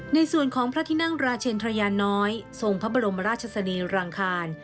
ในส่วนของพระที่นั่งราชินทรยาน้อยทรงพระบรมราชสนีรังคาร